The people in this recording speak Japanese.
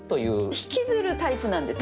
引きずるタイプなんですかね？